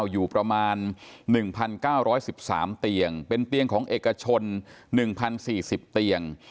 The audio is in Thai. อยู่ประมาณ๑๙๑๓เตียงเป็นเตียงของเอกชน๑๐๔๐เตียง